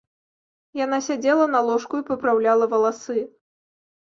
Яна сядзела на ложку і папраўляла валасы.